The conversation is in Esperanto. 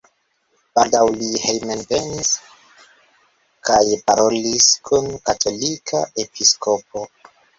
Baldaŭ li hejmenvenis kaj parolis kun katolika episkopo.